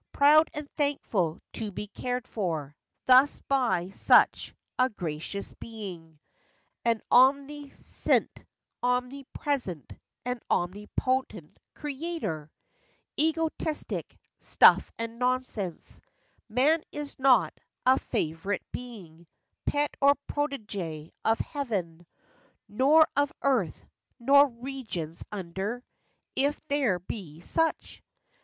Proud and thankful to be cared for Thus, by such a gracious being, FACTS AND FANCIES. An omniscient, omnipresent, And omnipotent, creator!" Egotistic " stuff and nonsense !" Man is not a fav'rite being, Pet, or protege of heaven, Nor of earth,—nor regions under If there be such